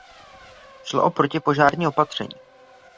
Šlo o protipožární opatření.